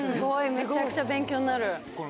めちゃくちゃ勉強になる。